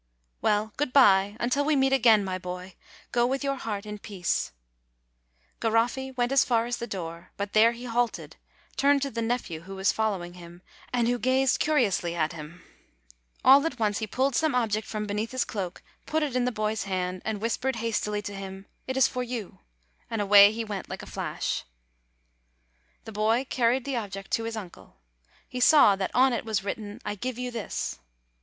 "Well, good bye, until we meet again, my boy; go with your heart in peace." Garoffi went as far as the door; but there he halted, turned to the nephew, who was following him, and who gazed curiously at him. All at once he pulled some object from beneath his cloak, put it in the boy's hand, and whispered hastily to him, "It is for you," and away he went like a flash. The boy carried the object to his uncle. He saw that on it was written, "I give you this."